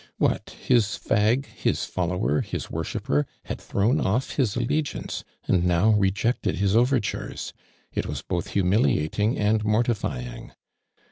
What, his fag, his follower, hts worshipper, had thrown off his allegiauce, and now re jected his overtures. It was both humiUat ing and mortifying.